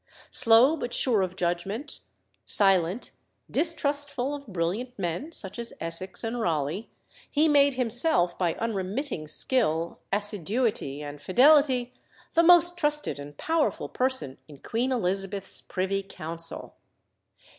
Slow but sure of judgment, silent, distrustful of brilliant men, such as Essex and Raleigh, he made himself, by unremitting skill, assiduity, and fidelity, the most trusted and powerful person in Queen Elizabeth's privy council.